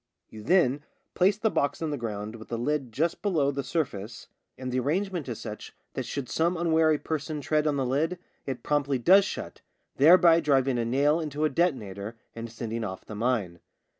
You then place the box in the ground with the lid just below the sur face, and the arrangement is such that should some unwary person tread on the lid it promptly does shut, thereby driving a nail into a detonator and sending off the mine.